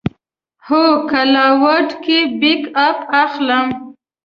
هو، کلاوډ کې بیک اپ اخلم